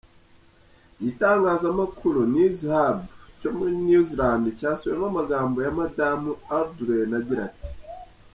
Igitangazamakuru NewsHub cyo muri New Zealand cyasubiyemo amagambo ya Madamu Ardern agira ati:.